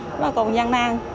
rất là còn gian nang